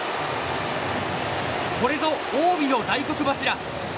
これぞ近江の大黒柱。